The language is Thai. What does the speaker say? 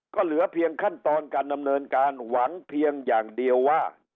ก็เหลือเพียงขั้นตอนการดำเนินการหวังเพียงอย่างเดียวว่า